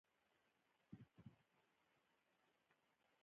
د احمد زوی ومړ؛ د غم غشی يې پر ځيګر وخوړ.